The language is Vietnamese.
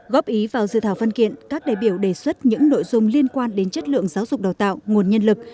góp ý vào dự thảo văn kiện các đại biểu đề xuất những nội dung liên quan đến chất lượng giáo dục đào tạo nguồn nhân lực